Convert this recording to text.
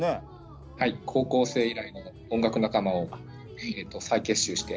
高校生以来の音楽仲間を再結集して。